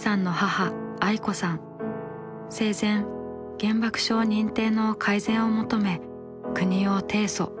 生前原爆症認定の改善を求め国を提訴。